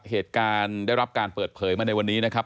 เหตุการณ์ได้รับการเปิดเผยมาในวันนี้นะครับ